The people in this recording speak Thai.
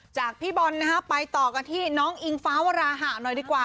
พี่บอลนะฮะไปต่อกันที่น้องอิงฟ้าวราหะหน่อยดีกว่า